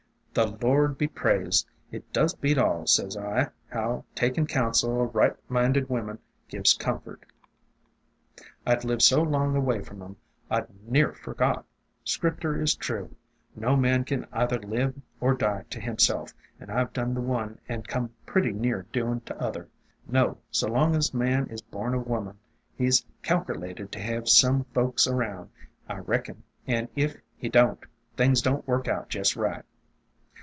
« 'The Lord be praised! It does beat all,' sez I, 'how takin' counsel o' right minded women gives comfort. I 'd lived so long away from 'em I 'd near forgot. Scripter is true. No man can either live or die to himself, and I 've done the one and come pretty near doin' t' other. No, so long as man is born o' woman, he 's calkerlated to hev some folks around, I reckon; and if he don't, things don't work out jest right.